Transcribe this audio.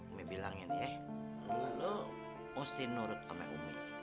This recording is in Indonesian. umi bilangin ya lo mesti nurut sama umi